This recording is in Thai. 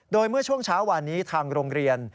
โดยเมื่อช่วงเช้าวานนี้ทางโรงเรียน